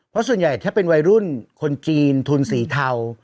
เพราะส่วนใหญ่ถ้าเป็นวัยรุ่นคนจีนทุนสีเทา